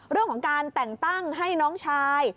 เรื่องของการแต่งตั้งให้น้องชาย